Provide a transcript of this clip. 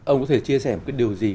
ông có thể chia sẻ một cái điều gì